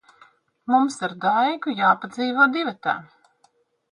Mums ar Daigu jāpadzīvo divatā.